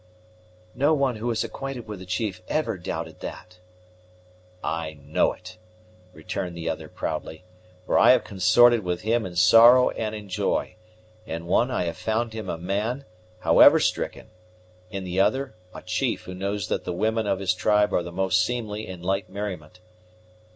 "No one who is acquainted with the chief ever doubted that." "I know it," returned the other proudly, "for I have consorted with him in sorrow and in joy: in one I have found him a man, however stricken; in the other, a chief who knows that the women of his tribe are the most seemly in light merriment.